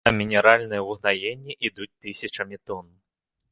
А мінеральныя ўгнаенні ідуць тысячамі тон.